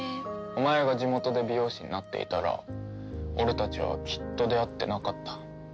お前が地元で美容師になっていたら俺たちはきっと出会ってなかった。